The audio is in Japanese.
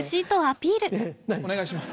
お願いします。